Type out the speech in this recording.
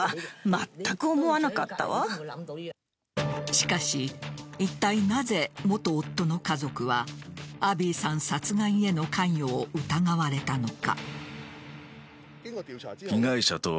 しかしいったいなぜ元夫の家族はアビーさん殺害への関与を疑われたのか。